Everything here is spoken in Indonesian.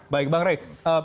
baik bang rai